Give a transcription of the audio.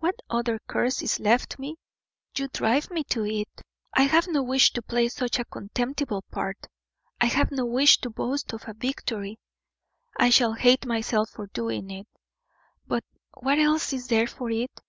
What other course is left me? You drive me to it: I have no wish to play such a contemptible part; I have no wish to boast of a victory I shall hate myself for doing it; but what else is there for it?